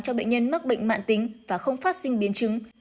cho bệnh nhân mắc bệnh mạng tính và không phát sinh biến chứng